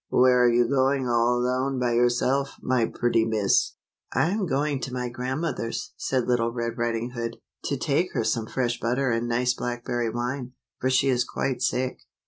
" Where are you going all alone by yourself, my pretty miss?" " I am going to my grandmother's," said Little Red Riding Hood, "to take her some fresh butter and nice blackberry wine, for she is quite sick."